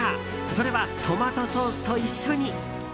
それはトマトソースと一緒に。